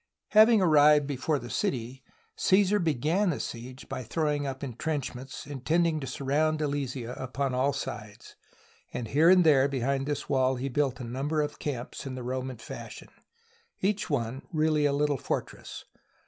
Having arrived before the city, Caesar began the siege by throwing up intrenchments, intending to surround Alesia upon all sides, and here and there behind this wall he built a number of camps in the Roman fashion, each one really a little fortress.